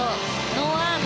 ノーアーム。